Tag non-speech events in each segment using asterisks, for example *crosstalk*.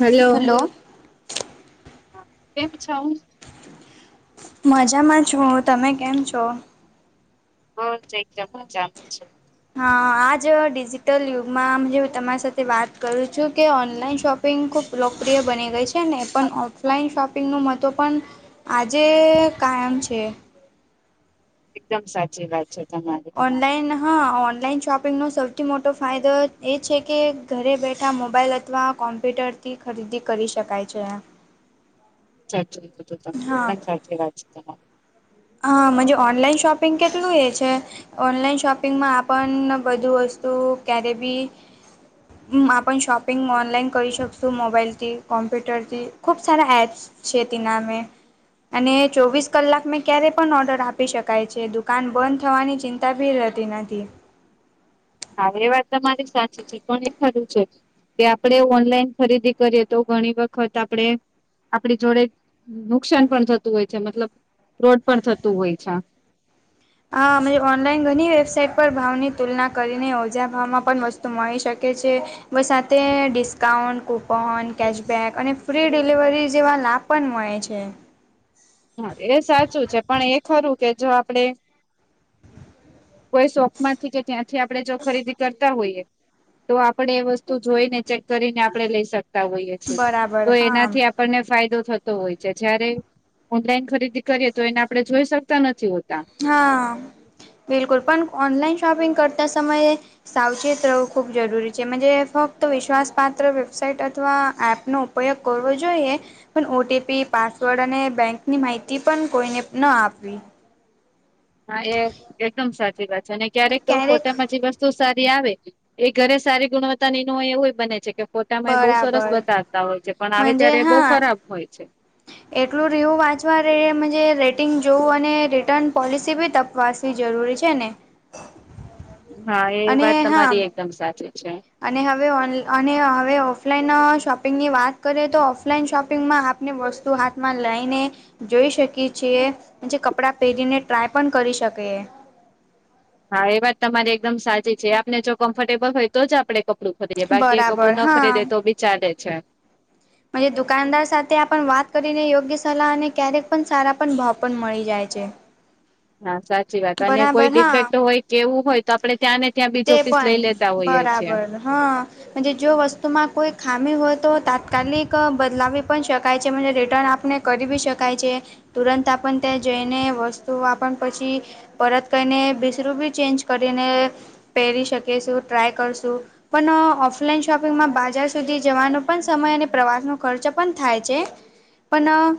Hello કેમ છ. મજામાં છું તમે કેમ છો. હા એકદમ મજામાં છું. હા આજ ડિજિટલ યુગમાં. હું તમારી સાથે વાત કરું છું કે ઓનલાઈન શોપિંગ ખુબ લોકપ્રિય બને. કરે છે ને પણ ઓફલાઈન શોપિંગનું મત્વ પણ આજે કાયમ છે. એકદમ સાચી વાત છે તમારી. ઓનલાઈન હા ઓનલાઈન શોપિંગનો સૌથી મોટો ફાયદો એ છે કે. ઘરે બેઠા મોબાઈલ અથવા કોમ્પ્યુટરથી ખરીદી કરી શકાય છે. ચર્ચ કધું તમ ચચ છે તમા. હ મ ઓનલાઈન શોપિંગ કેટલું એ છે. ઓનલાઈન શોપિંગમાં પણણ બધું વસ્તુ ક્યારે બી. હમ્મ આપણ શોપિંગ ઓનલાઈન કરી શકશું મોબાઈલથી કોમ્પ્યુટરથી ખૂબ સારા એપ્સ શેતી નામે અને ચોવીસ કલાક મેં ક્યારે પણ ઓર્ડર આપી શકાય છે દુકાન બંધ થવાની ચિંતા ભી રહેતી નથી. હા એ વાત તમારી સાચી છે એ પણ ખરું છે. કે આપણે ઓનલાઈન ખરીદી કરીએ તો ઘણી વખત આપડણે આપણી જોડે નુકસાન પણ થતું હોય છે મતલબ રોડ પણ થતું હોય છે. હ અમે ઓનલાઈન ઘણી વેબસાાઈટ પર ભાવની તુલના કરીને ઓજા ભાવમાં પણ વસ્તુ તો મળી શકે છે. બસ સાથે ડિસ્કાઉન્ટ કૂપન કેશબેક અને ફ્રી ડિલિવરી જેવા લાભ પણ મળે છે. હા એ સાચું છે પણ એ ખરું કે જો આપડે કોઈ શો માંથી કે ત્યાંથી આપડણે જો ખરીદી કરતા હોઈએ. તો આપણેે એ વસ્તુ જોઈને ચેક કરીને આપડણે લઈ સકતા હોઈએ છીએ બરાબર તો હા એનાથી આપ આપણને ફાયદો થતો હોય છે જય્યારે ઓનલાઈન ખરીદી કરીએ તો એને આપડણે જોઈ શકતા નથી હોતા હા બિલકુલ પણ ઓનલાઈન શોપિંગ કરતા સમયે સાવચેત રહેવું ખૂબ જરૂરી છે ફક્ત વિશ્વાસપાત્ર વેબસાઇટ અથવા એપનો પ્રયોગ કરવો જોઈએ. પણ ઓટીપી પાસવર્ડ અને બેંકની માહિતી પણ કોઈને ના આપવી હા એ એકદમ સાચી વાત છે અને ક્યારેક તો ફોટામાં જ બસ તો સારી આવે એ ઘરે સારી ગુણવત્તા નિ નોય એવોય બને છે કે ફોટામાં એ બહુ સરસ બરાબર બતાવતા હોય છે પણ આવે મજે ત્યારે બહુ હા ખરાબ હોય છે. એટલું રિવ્યુ વાંચવા રેવું રેટિંગ જોવું અને રિટર્ન પોલિસી બી તપ વાચવી જરૂરી છે ને હા એ અને વાત હા તમારી એકદમ સાચી છે. અને હવે અને હવે ઓફલાઈન શોપિંગની વાત કરીએ તો ઓફલાઈન શોપિંગમાં આપ ને વસ્તુ હાથમાં લઈને જોઈ શકીએ છીએ જે કપડાં પહેરીને ટ્રાય પણ કરી શકેએ. હા એ વાત તમારી એકદમ સાચી છે આપને જો કમ્ફર્ટેબલ હોય તો જ આપડે કપડું ખરીદીએ બાકી એ બરાબર કપડું ન ખરીદે હા તો બી ચાલે છે. દુકાનદાર સાથે આપ વાત કરીને યોગ્ય સલાહ અને ક્યારેક પણ સારા પણ ભાવ પણ મળી જાય છે. હા સાચી વાત અને બરાબર કોઈ હા ડિફેક્ટ હોય કેવું હોય તો આપડણે ત્યાં ને ત્યાં બીજો તે પીસ લઈ પણ લેતા હોઈએ છીએ. બરાબર હા. જો વસ્તુમાં કોઈ ખામી હોય તો તાત્કાલિક બદલાવી પણ શકાય છે રિટર્ન આપને કરીવી શકાય છે તુરંત આપણ ત્યાં જઈને વસ્તુઓ આપણ પછી પરત કહીને બીજરૂ બી ચેન્જ કરીને પહેરી શકીશું ટ્રાય કરશું પણ ઓફલાઈન શોપિંગમાં બજાર સુધી જવાનો પણ સમય અને પ્રવાસનો ખર્ચ પણ થાય છે. પણ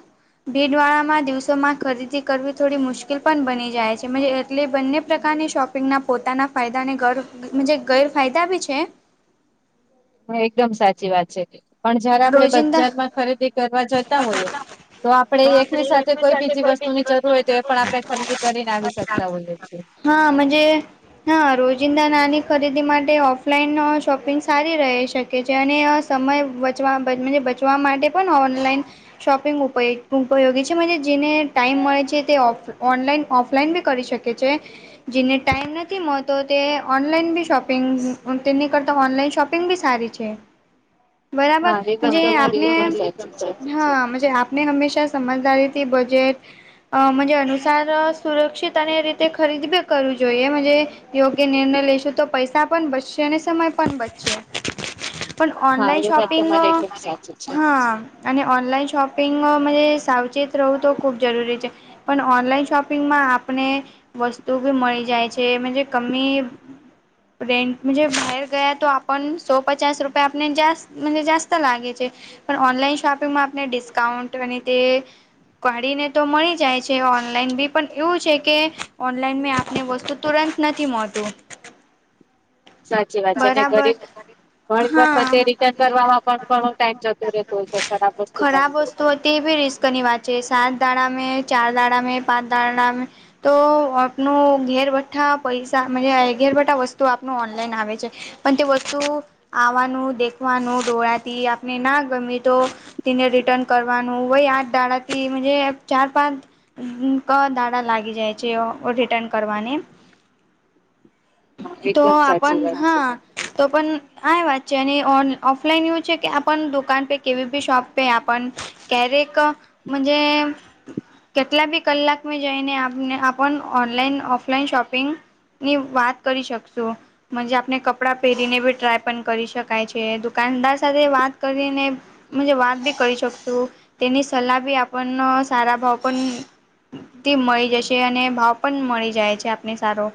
ભીડ વાળામાં દિવસોમાં ખરીદી કરવી થોડી મુશ્કેલ પણ બની જાય છે. જે એટલે બંને પ્રકારની શોપિંગના પોતાના ફાયદાને ગર ગેરફાયદા બી છે. એકદમ સાચી વાત છે પણ જયારે આપડે રોજિંદા બજારમાં ખરીદી કરવા જતા હોયએ તો આપડે એકની સાથે કોઈ બીજી વસ્તુ ની જરૂર હોય તો એ પણ આપણે ખરીદી કરીને આવી શકતા હોઈએ છીએ. હા હા રોજિંદા નાની ખરીદી માટે ઓફલાઈન શોપિંગ સારી રહે છે. બીજો ને સમય બચવા બચવા માટે પણ ઓનલાઈન શોપિંગ ઉપયો ઉપયોગી છે જેને ટાઈમ મળે છે તે ઓનલાઈન ઓફલાઈન બી કરી શકે છે. જેને ટાઈમ નથી મળતો તે ઓનલાઈન બી શોપિંગ તેની કરતા ઓનલાઈન શોપિ શોપિંગ બી સારી છે. બરાબર હા એ વાત તમારી આપને એકદમ સાચી છે હા ને હંમેશા સમજદારીથી બજેટ. *unintelligible* અનુસાર સુરક્ષિત અને રીતે ખરીદી બી કરવી જોઈએ યોગ્ય નિર્ણય લઈશું તો પૈસા પણ બચશે અને સમય પણ બચશે. પણ હા ઓનલાઈન એ વાત શોપિંગ તમારી એકદમ સાચી છે. હા. હા અને ઓનલાઈન શોપિંગ મા સાવચેત રહું તો ખૂબ જરૂરી છે. પણ ઓનલાઈન શોપિંગમાં આપણે. વસ્તુ બી મળી જાય છે, *unintelligible* રેન્ટ મુજબ જે બહાર ગયા તો આપન સો પચાસ રૂપિયા આપને જ્યા મ જાસ્ત લાગે છે, પણ ઓનલાઈન શોપિંગમાં આપણે ડિસ્કાઉન્ટ અને તે. કાઢીને તો મળી જાય છે, ઓનલાઈન બી પણ એવું છે, કે ઓનલાઈન મે આપને વસ્તુ. તુરંત નથી મળતુ. સાચી વાત છે, અને ગરીબ ઘણી વખત એ હા રીતે. કરવામાં પણ ઘણો ટાઈમ જતો રહેતો હોય છે, ખરાબ વસ્તુ પણ. તેભી રિસ્કની વાત છે, સાત ધણામાં ચાર દાળાને પાંચ *unintelligible* તો આપનું ઘેરબેઠા પૈસા ઘેરબેઠા વસ્તુ આપનું ઓનલાઈન આવે છે. પણ તે વસ્તુ. આવાનું દેખ ખવાનું દોળાતી આપણે ના ગમે તો. તેને રિટર્ન કરવાનું વય આઠ દાડાથી ચાર પાંચ. *unintelligible* લાગી જાય છે, રિટર્ન કરવાની. હા તો એકદમ સાચી આપણ વાત છે હા તમારી. તો પણ હા વાત જ્યારે ઓન ઓફલાઈન એવું છે, કે આપ દુકાન પે કેવી બી શોપ પે આપ ક્યારેક. *inaudible* કેટલા બી કલાકમાં જઈને આપણે *unintelligible* ઓનલાઈન ઓફલાઈન શોપિંગ. ની વાત કરી શકશુંજ આપણે કપડાં પહેરીને બી ટ્રાય પણ કરી શકાય છે. દુકાનદાર સાથે વાત કરીને. વાત બી કરી શકશું તેની સલાહ બી આપણે સારા ભાવ પણ. થી મળી જશે અને ભાવ પણ મળી જાય છે, આપને સારો.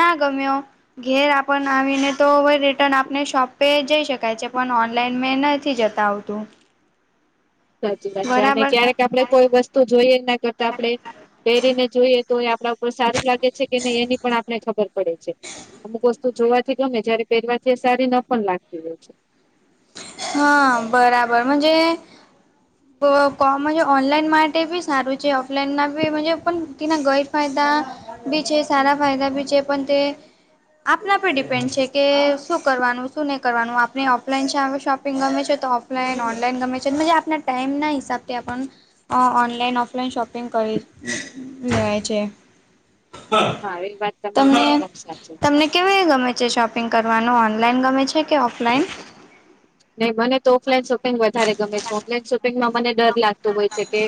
ના ગમ્યો ઘેર આપણને આવીને તો રીર્ટન આપને શોપે જઈ શકાય છે, પણ ઓનલાઈન મે નથી જતા આવતું. સાચી વાત છે, અને બરાબર ક્યારેક આપડે કોઈ વસ્તુ જોઈએ *unintelligible* કરતા આપણે પહેરીને જોઈએ તો આપણા. તો સારું લાગે છે, કે નહી એની પણ આપને ખબર પડે છે. અમુક વસ્તુ જોવાથી ગમે જયારે પહેરવાથી સારી ન પણ લાગતી હોય. હા બરાબર *unintelligible* ઓનલાઈન માટે બી સારું છે, ઓફલાઈનના બી પણ તેના ગેરફાયદા. બી છે, સારા ફાયદા બી છે, પણ તે આપના પર ડિપેન્ડ છે, કે શું કરવાનું શું નહીં કરવાનું આપણે ઓફલાઈન છે, શોપ પિંગ ગમે છે, તો ઓફલાઈન ઓનલાઈન ગમે છે, *unintelligible* આપ ટાઈમ ના હિસાબથી અ ઓનલાઈન ઓફલાઈન શોપિંગ કરી લેવાય છે. હા એ વાત તમારી તમને એકદમ સાચી છે. *unintelligible* ગમે છે, શોપિંગ કરવાનું ઓનલાઈન ગમે છે, કે ઓફલાઈન? નહી મને તો ઓફલાઈન શોપિંગ વધારે ગમે છે, ઓફલાઈન શોપિંગમાં મને ડર લાગતો હોય છે, કે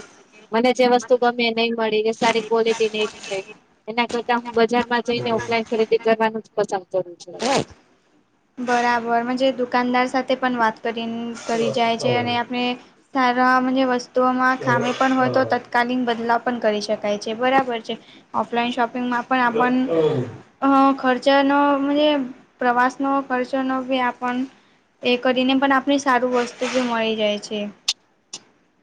મને જે વસ્તુ ગમે નહી મળી કે સારી ક્વોલિટી નય થાય એના કરતા હું બજાર *unintelligible* જઈને ઓફલાઈન ખરીદી કરવાનું જ પસંદ કરું છું. *unintelligible* બરાબર મજે દુકાનદાર સાથે પણ વાત *unintelligible* કરી જાય છે, અને આપણે *unintelligible* મનજે સારા વસ્તુઓમાં ખામી પણ હોય તો તત્કાલીન બદલાવ પણ કરી શકાય છે, બરાબર છે. ઓફલાઈન શોપિંગમાં પણ આપન અ ખર્ચનો મજે પ્રવાસ ન કરજો ન આપણ એ કરીને પણ આપણી સારું વસ્તુ જે મળી જાય છે.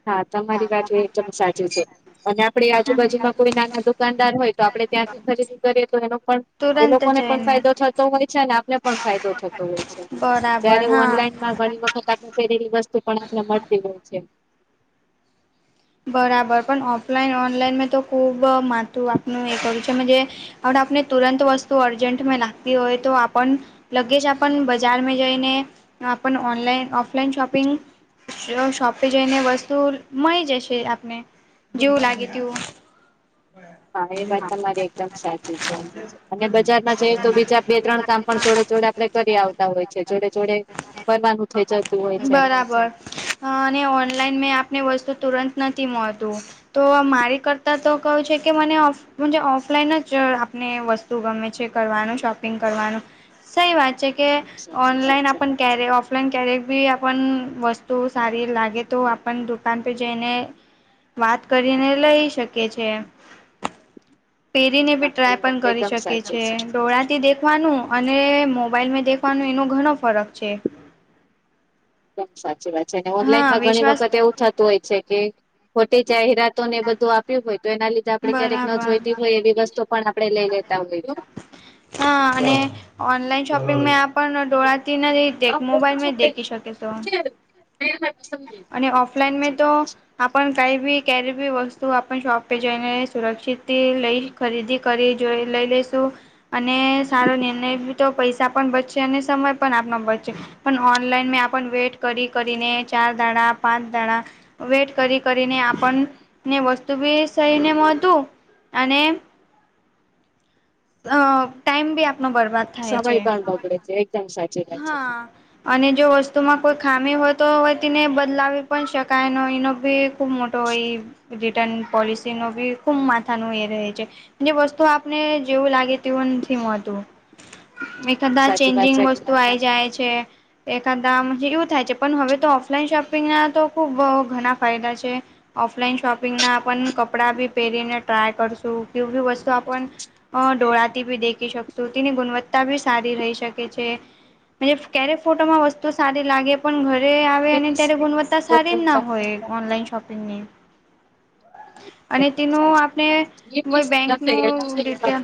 હા તમારી વાત એકદમ સાચું છે, અને આપડી આજુબાજુમાં કોઈ નાના દુકાનદાર દુકાનદાર હોય તો આપડણે ત્યાં સુ ખરીદી કરીએ તો એનો પણ એ તુરંત લોકોને પણ જઈને ફાયદો થતો હોય છે, અને આપને પણ ફાયદો થતો હોય છે. બરાબર જયારે હા. ઓનલાઈનમાં ઘણી વખત આપણે પેરેલી વસ્તુ પણ આપણે મળતી હોય છે. બરાબર પણ ઓફલાઈન ઓનલાઈન મેં તો ખુબ માથું આપનું એ કર ત મનજે આપને તુરંત વસ્તુ અર્જન્ટમાં લાગતી હોય તો આપ લગેજ આપન બજારમાં જઈને ઓનલાઈન ઓફલાઈન શોપિંગ શોપે જઈને વસ્તુ મળી જશે. આપને જેવું લાગે તેવુ. હા એ વાત તમારી એકદમ સાચી છે, અને બજારમાં જઈ તો બીજા બે ત્રણ કામ પણ જોડે ચોડા આપને કરી આવતા હોય છે. જોડે-જોડે. બરાબર અને ઓનલાઈન મેં આપને વસ્તુ તુરંત નથી મળતું. તો મારી કરતાં તો કહું છે કે મને જ ઓફલાઈન જ આપને વસ્તુ ગમે છે, કરવાનું શોપિંગ કરવાનું. સહી વાત છે કે, સાચી વાત ઓનલાઈન છે આપન ક્યારે ઓફલાઈન ક્યારેક બી આપન વસ્તુ સારી લાગે તો આપણ દુકાન પે જઈને વાત કરીને લઈ શકે છે. પેરીને બી હા ટ્રાય એ વાત પણ કરી એકદમ શકે સાચી છે. ડોળા થી દેખવાનું અને મોબાઈલમે દેખવાનું એનું ઘણો ફરક છે. એક દમ સાચી વાત છે, અને હા ઓનલાઈનમાં ઘણી વિશ્વાસ વખત એવું થતું હોય છે કે ખોટી જાહેરાત તો ને એ બધું આપ્યું હોય તો એના લીધે આપડે ક્યારેક ન બરાબર જોઈતી હોય એવી વસ્તુ પણ આપડે લઈ લેતા હોયહો. હા અને ઓનલાઈન શોપિંગ મે આપ પણ ડોળાતી નહીં મોબાઈલ માં દેખી શકે છો. *unintelligible* અને ઓફલાઇન મે તો આપન કાઈ બી કેરી બી વસ્તુ આપ શોપ પે જઈને સુરક્ષિતથી લઈ ખરીદી કરી જોઈ લઈ લઈશું. અને સારો નિર્ણય બી તો પૈસા પણ બચે અને સમય પણ આપનો બચે. પણ ઓનલાઈન મે આપન વેટ કરી - કરીને ચાર ધાડા, પાંચ ધાડા વેટ કરી કરીને આપણને વસ્તુ બી સહી નહીં મળતું અને અ ટાઈમ બી આપનો બરબાદ થાય સમય છે. પણ બગડે છે એકદમ સાચી વાત છે હા. અને જો વસ્તુમાં કોઈ ખામી હોય તો હોય તેને બદલાવી પણ શકાય નય એનો ભી ખૂબ મોટો ઓઇ રિટર્ન પોલિસી ન બી ખુબ માથા નું એ રહે છે. જે વસ્તુ આપને જેવું લાગે તેવું નથી મળતું. મે એકદમ કદા સાચી વાત ચેન્જિંગ છે. વસ્તુ આઈ જાય છે. છે. એખાદા એવું થાય છે, પણ હવે તો ઓફલાઈન શોપિંગના તો ખુબ ઘણા ફાયદા છે. ઓફલાઈન શોપિંગના કપડા બી પહેરીને ટ્રાય કરશું કે બી વસ્તુ આપન ડોળાતી ભી દેખી શકશું. તેની ગુણવત્તા ભી સારી રહી શકે છે. *unintelligible* ક્યારે ફોટોમાં વસ્તુ સારી લાગે પણ ઘરે આવે અને ત્યારે ગુણવત્તા સારી જ ના હોય ઓનલાઈન શોપિંગની. અને તેનું આપણે કોઈ બેંક નું ડિટેલ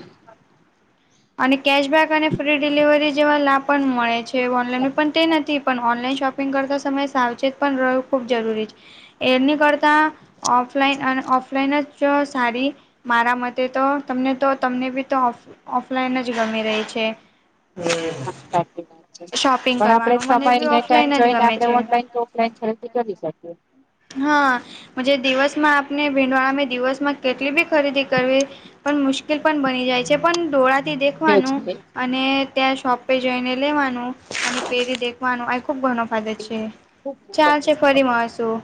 અને કેશબેક અને ફ્રી ડિલિવરી જેવા લાભ પણ મળે છે. ઓનલાઈન પણ તે નથી પણ ઓનલાઈન શોપ શપિંગ કરતા સમય સાવચેત પણ રહેવું ખૂબ જરૂરી છે. એરની કરતાં ઓફલાઈન અને ઓફલાઈન જ સાડી મારા મતે તો તમને તો તમને બી તો ઓફલાઈન જ ગમી રહી છે. હા સાચી વાત છે. શોપિંગ પણ આપડે કરવાનું મને સમય બી ને ટાઈમ ઓફલાઈન જ જોઈને ગમે આપણે છે. ઓનલાઈન કે ઓફલાઈનરથી કરી શકીએ. હા જે દિવસમાં આપને ભીંડવાળમાં દિવસમાં કેટલી બી ખરીદી કરવી પણ મુશ્કેલ પણ બની જાય છે પણ ડોળા થી છે જ દેખવાનું ને. અને ત્યાં શોપ પે જઈને લેવાનું અને પેરી દેખવાનું ખુબ ઘણો ફાદો એ છે ખુબ મોટો ચાલ છે કેસ ફરી વાસું